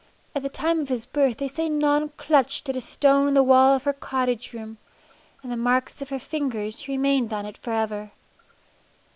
At the time of his birth they say Non clutched at a stone in the wall of her cottage room, and the marks of her fingers remained on it for ever.